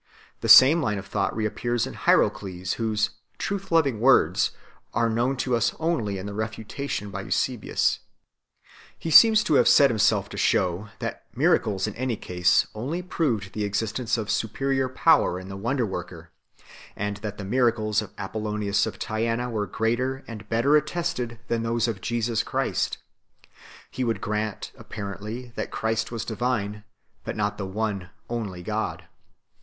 The same line of thought re appears in Hierocles, whose " Truth loving Words " are known to us only in the refutation by Eusebius 1 . He seems to have set himself to show, that miracles in any case only proved the existence of superior power in the wonder worker, and that the miracles of Apollonius of Tyana were greater and better attested than those of Jesus Christ. He would grant, apparently, that Christ was divine, but not the one only God.